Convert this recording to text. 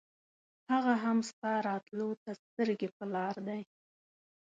هغه هم ستا راتلو ته سترګې پر لار دی.